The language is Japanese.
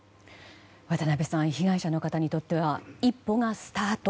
渡辺さん被害者の方にとっては一歩がスタート。